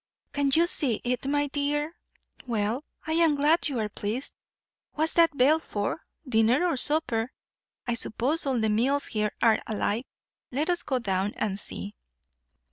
"Can you see it, my dear? Well, I am glad you are pleased. What's that bell for, dinner or supper? I suppose all the meals here are alike. Let us go down and see."